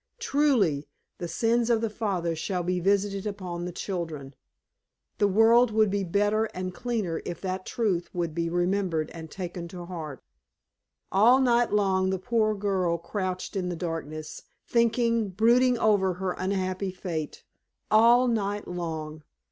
Truly, "the sins of the fathers shall be visited upon the children." The world would be better and cleaner if that truth would be remembered and taken to heart. All night long the poor girl crouched in the darkness, thinking, brooding over her unhappy fate. All night long!